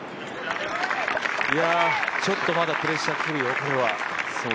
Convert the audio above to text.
ちょっとまだプレッシャー来るよ、これは。